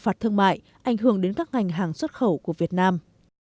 phạt thương mại ảnh hưởng đến các ngành hàng xuất khẩu của việt nam